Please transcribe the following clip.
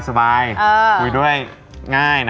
ตัวใหญ่